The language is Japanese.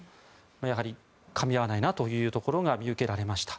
やはりかみ合わないなというところが見受けられました。